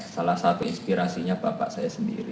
salah satu inspirasinya bapak saya sendiri